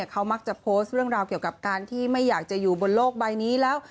เขามักจะโพสต์เรื่องราวเกี่ยวกับการที่ไม่อยากจะอยู่บนโลกใบนี้แล้ว